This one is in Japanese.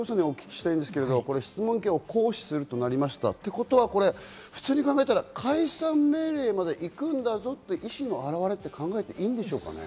紀藤さん、質問権を行使するとなりましたということは普通に考えたら解散命令まで行くんだぞという意思の表れと考えていいんでしょうか？